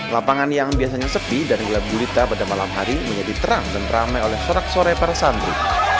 lapangan yang biasanya sepi dan gelap gurita pada malam hari menjadi terang dan ramai oleh sorak sorai para santri